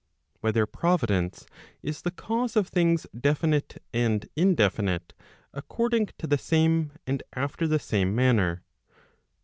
Whether Providence is the cause of things definite and indefinite according to the same, and after the same manner?